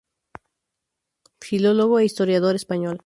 Filólogo e historiador español.